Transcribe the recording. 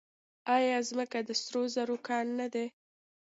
آیا ځمکه د سرو زرو کان نه دی؟